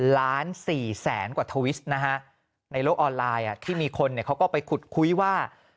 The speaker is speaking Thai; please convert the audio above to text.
ล้าน๔แสนกว่าทวิสนะฮะในโลกออนไลน์ที่มีคนเขาก็ไปขุดคุยว่า